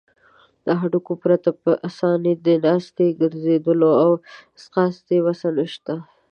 له هډوکو پرته په آسانۍ د ناستې، ګرځیدلو او ځغاستې وسه نشته.